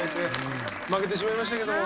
負けてしまいましたけども。